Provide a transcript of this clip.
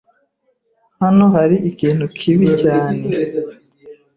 Hano hari ikintu kibi cyane.